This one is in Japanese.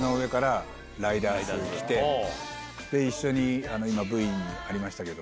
一緒に今ＶＴＲにありましたけど。